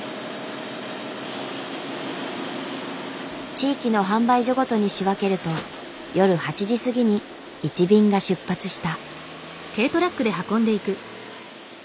地域の販売所ごとに仕分けると夜８時過ぎに１便が出発した。